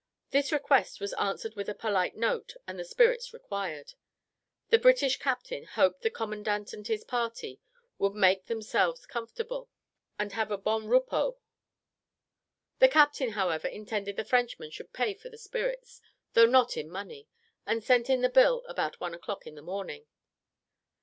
This request was answered with a polite note, and the spirits required. The British captain hoped the commandant and his party would make themselves comfortable, and have a bon repos. The captain, however, intended the Frenchman should pay for the spirits, though not in money, and sent in the bill about one o'clock in the morning.